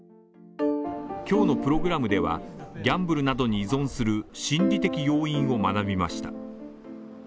今日のプログラムでは、ギャンブルなどに依存する心理的要因を学びました。